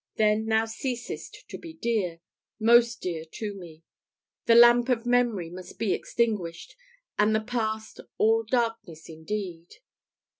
when thou ceasest to be dear, most dear to me, the lamp of memory must be extinguished, and the past all darkness indeed!